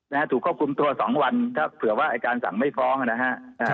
นะฮะถูกควบคุมตัวสองวันถ้าเผื่อว่าอายการสั่งไม่ฟ้องนะฮะอ่า